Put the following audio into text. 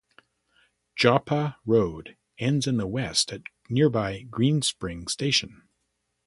Joppa Road ends in the west at nearby Greenspring Station.